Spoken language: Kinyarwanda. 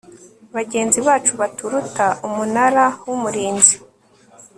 bagenzi bacu baturuta umunara wumurinzi